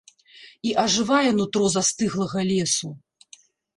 І ажывае нутро застыглага лесу.